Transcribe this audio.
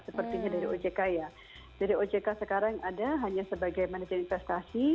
sepertinya dari ojk ya dari ojk sekarang ada hanya sebagai manajer investasi